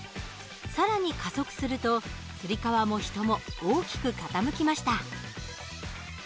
更に加速するとつり革も人も大きく傾きました。